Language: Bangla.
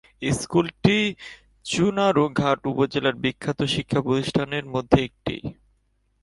স্কুলটি চুনারুঘাট উপজেলার বিখ্যাত শিক্ষা প্রতিষ্ঠানের মধ্যে একটি।